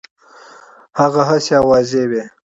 هغه هسي آوازې وي.